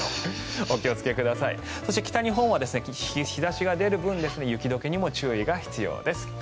そして北日本は日差しが出る分雪解けにも注意が必要です。